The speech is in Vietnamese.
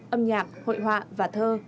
âm nhạc hội họa và thơ